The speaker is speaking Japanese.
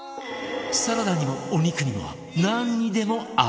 サラダにもお肉にもなんにでも合う！